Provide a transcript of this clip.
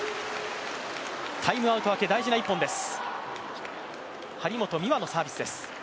タイムアウト明け、大事な１本です。